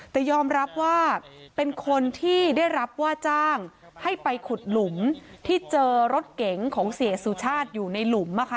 แต่ยอมรับว่าเป็นคนที่ได้รับว่าจ้างให้ไปขุดหลุมที่เจอรถเก๋งของเสียสุชาติอยู่ในหลุม